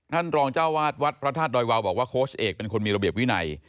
ท่านรองเจ้าวาดวัดพระธาตุดอยวาวบอกว่าโค้ชเอกเป็นคนมีระเบียบวินัย